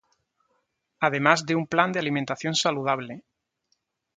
Además de un plan de alimentación saludable